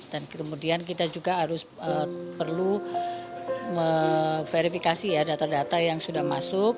dan kemudian kita juga harus perlu verifikasi ya data data yang sudah masuk